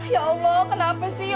ya allah kenapa sih